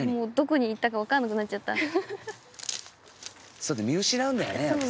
そうだ見失うんだよね。